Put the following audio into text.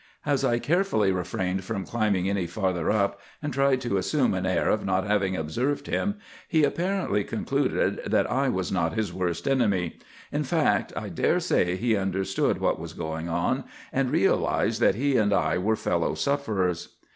As I carefully refrained from climbing any farther up, and tried to assume an air of not having observed him, he apparently concluded that I was not his worst enemy. In fact, I dare say he understood what was going on, and realized that he and I were fellow sufferers.